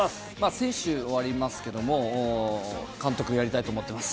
選手終わりますけども、監督やりたいと思ってます。